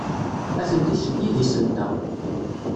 Atenti seg yidis-nteɣ.